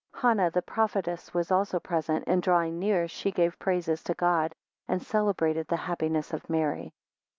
10 Hannah the prophetess was also present, and drawing near, she gave praises to God, and celebrated the happiness of Mary.